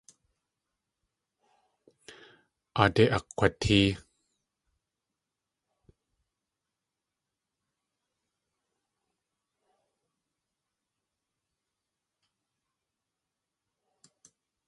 Aadé akg̲watée.